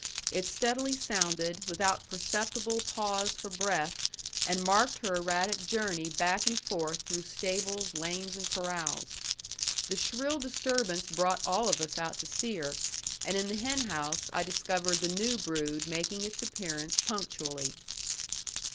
It steadily sounded, without perceptible pause for breath, and marked her erratic journey back and forth through stables, lanes, and corrals. The shrill disturbance brought all of us out to see her, and in the hen house I discovered the new brood making its appearance punctually.